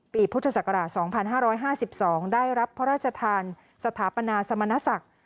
พุทธศักราช๒๕๕๒ได้รับพระราชทานสถาปนาสมณศักดิ์